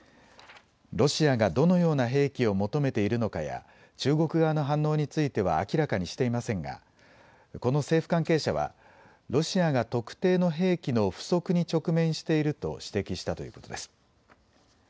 ロシアがどのような兵器を求めているのかや中国側の反応については明らかにしていませんがこの政府関係者は、ロシアが特定の兵器の不足に直面していると指摘したということです。